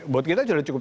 buat kita sudah cukup